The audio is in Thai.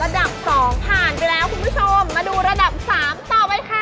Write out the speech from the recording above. ระดับ๒ผ่านไปแล้วคุณผู้ชมมาดูระดับ๓ต่อไปค่ะ